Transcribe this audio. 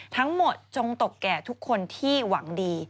ทั้งหมดจงตกแก่ทุกคนที่หวังดี